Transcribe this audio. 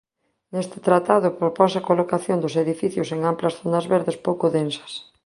Neste tratado proponse a colocación dos edificios en amplas zonas verdes pouco densas.